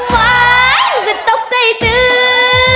ว้ายตกใจจื้อ